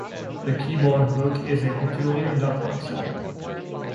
The keyboard hook is a peculiar duck-like sound.